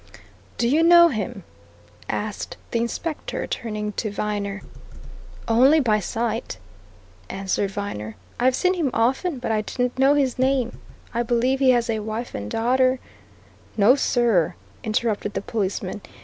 "Do you know him," asked the inspector, turning to Viner. "Only by sight," answered Viner. "I've seen him often, but I didn't know his name. I believe he has a wife and daughter " "No sir," interrupted the policeman.